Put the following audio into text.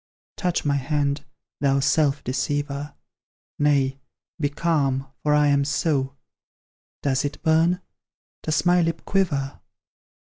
Touch my hand, thou self deceiver; Nay be calm, for I am so: Does it burn? Does my lip quiver?